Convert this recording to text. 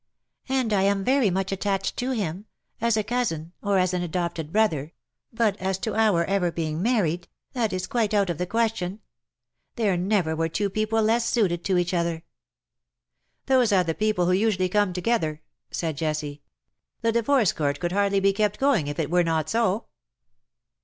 ^^'^ And I am very much attached to him — as a cousin — or as an adopted brother ; but as to our ever being married — that is quite out of the question. There never were two people less suited to each other.'' " Those are the peo]3le who usually come to gether/' said J essie ;^' the Divorce Court could hardly be kept going if it were not so."